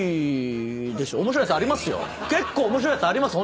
結構面白いやつあります